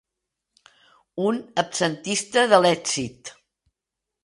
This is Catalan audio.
Un absentista de l'èxit.